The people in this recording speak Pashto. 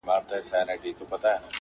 سپوږمۍ د خدای روی مي دروړی؛